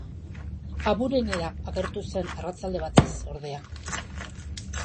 Aburenera agertu zen arratsalde batez, ordea.